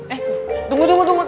eh tunggu tunggu tunggu